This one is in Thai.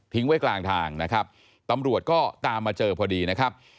ไว้กลางทางนะครับตำรวจก็ตามมาเจอพอดีนะครับ